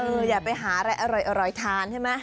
อย่าไปหาอะไรอร่อยทานใช่ไหม